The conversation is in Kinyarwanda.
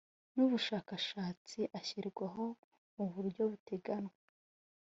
n ubushakashatsi ashyirwaho mu buryo buteganywa